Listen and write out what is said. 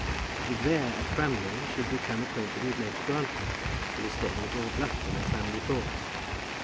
And there, at Framley, she had become acquainted with Major Grantly, who was staying with Lord Lufton at Framley Court.